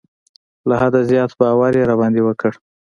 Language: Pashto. له حده زیات باور یې را باندې وکړ.